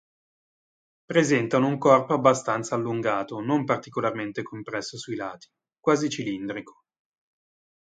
Presentano un corpo abbastanza allungato, non particolarmente compresso sui lati, quasi cilindrico.